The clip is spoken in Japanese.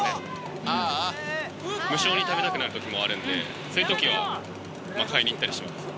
無性に食べたくなるときもあるんで、そういうときは、買いに行ったりします。